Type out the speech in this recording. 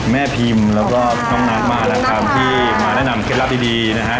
แม่พิมแล้วก็น้องนัทมาที่มาแนะนำเคล็ดรับดีนะฮะ